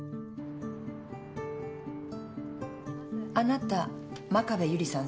あなた真壁由里さん